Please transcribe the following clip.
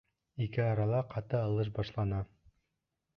Ике арала ҡаты алыш башлана.